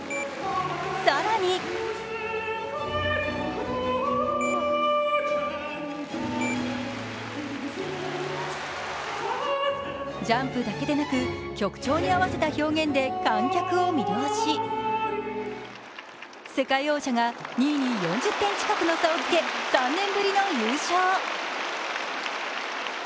更にジャンプだけでなく、曲調に合わせた表現で観客を魅了し、世界王者が２位に４０点近くの差をつけ３年ぶりの優勝。